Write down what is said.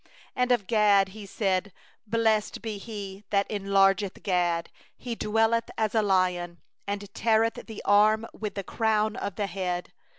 20And of Gad he said: Blessed be He that enlargeth Gad; He dwelleth as a lioness, And teareth the arm, yea, the crown of the head.